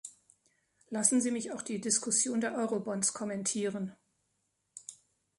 Lassen Sie mich auch die Diskussion der Eurobonds kommentieren.